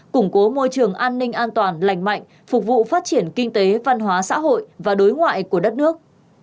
củng cố môi trường an ninh an toàn lành mạnh phục vụ phát triển kinh tế văn hóa xã hội và đối ngoại của đất nước